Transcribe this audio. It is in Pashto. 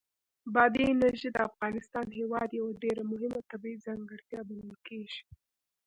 بادي انرژي د افغانستان هېواد یوه ډېره مهمه طبیعي ځانګړتیا بلل کېږي.